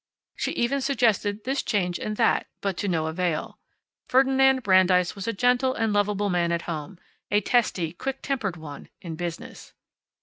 She even suggested this change and that, but to no avail. Ferdinand Brandeis was a gentle and lovable man at home; a testy, quick tempered one in business.